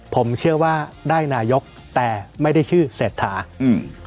ผมเชื่อว่าได้นายกแต่ไม่ได้ชื่อเศรษฐาอืม